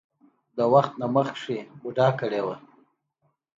د وخت نه مخکښې بوډا کړے وۀ ـ